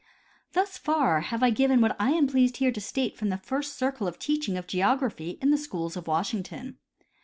Thus far have I given what I am pleased here to state as the first circle in the teaching of geography in the schools of Washington.